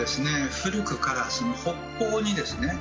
古くから北方にですね